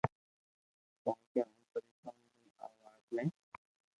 ڪون ڪي ھون پريݾون ھون آ وات ۾